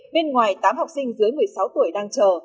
bên ngoài tám học sinh dưới một mươi sáu tuổi đang chờ